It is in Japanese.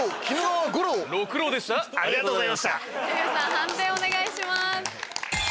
判定お願いします。